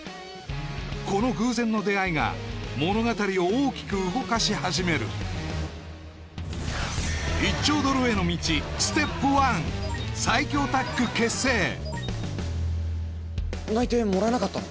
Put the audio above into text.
この偶然の出会いが物語を大きく動かし始める内定もらえなかったの？